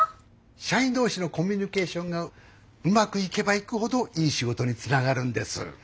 社員同士のコミュニケーションがうまくいけばいくほどいい仕事につながるんです。